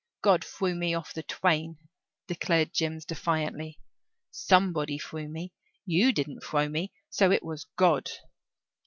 "God frew me off the twain," declared Jims defiantly. "Somebody frew me; you didn't frow me; so it was God."